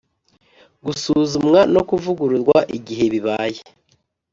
gusuzumwa no kuvugururwa igihe bibaye